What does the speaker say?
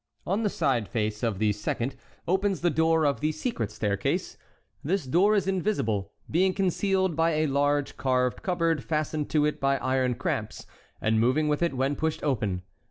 On the side face of the second opens the door of the secret staircase. This door is invisible, being concealed by a large carved cupboard fastened to it by iron cramps, and moving with it when pushed open.